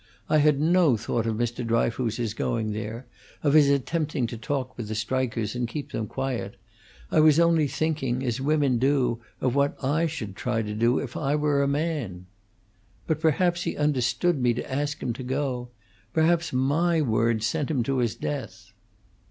I had no thought of Mr. Dryfoos's going there of his attempting to talk with the strikers and keep them quiet; I was only thinking, as women do, of what I should try to do if I were a man. "But perhaps he understood me to ask him to go perhaps my words sent him to his death."